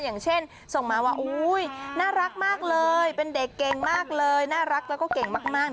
อย่างเช่นส่งมาว่าน่ารักมากเลยเป็นเด็กเก่งมากเลยน่ารักแล้วก็เก่งมาก